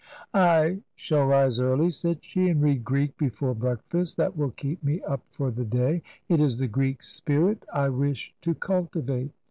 I shall rise early," said she, " and read Greek before breakfast. That will keep me up for the day. It is the Greek spirit I wish to cultivate."